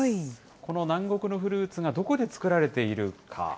この南国のフルーツがどこで作られているか。